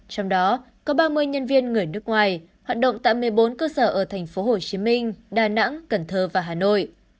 trong đó có ba mươi nhân viên người nước ngoài hoạt động tại một mươi bốn cơ sở ở tp hcm đà nẵng cần thơ và hà nội